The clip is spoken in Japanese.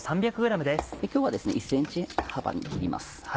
今日は１ｃｍ幅に切ります。